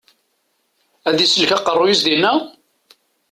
Ad isellek aqeṛṛu-yis dinna?